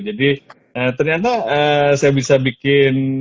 jadi ternyata saya bisa bikin